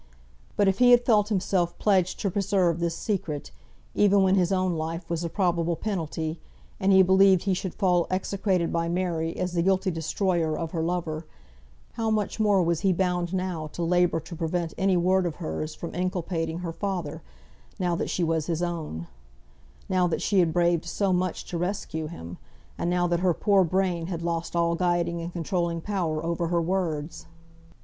But if he had felt himself pledged to preserve this secret, even when his own life was the probable penalty, and he believed he should fall, execrated by Mary as the guilty destroyer of her lover, how much more was he bound now to labour to prevent any word of hers from inculpating her father, now that she was his own; now that she had braved so much to rescue him; and now that her poor brain had lost all guiding and controlling power over her words.